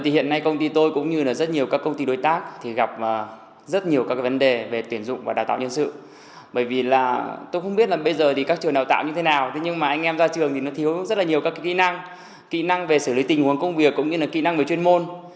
hiện nay công ty tôi cũng như rất nhiều các công ty đối tác gặp rất nhiều vấn đề về tuyển dụng và đào tạo nhân sự bởi vì tôi không biết bây giờ các trường đào tạo như thế nào nhưng mà anh em ra trường thì nó thiếu rất nhiều các kỹ năng kỹ năng về xử lý tình huống công việc cũng như kỹ năng về chuyên môn